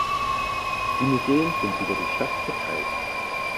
Die Museen sind über die Stadt verteilt.